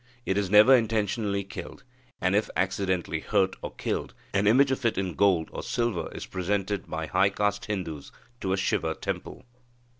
It is never intentionally killed, and, if accidentally hurt or killed, an image of it in gold or silver is presented by high caste Hindus to a Siva temple.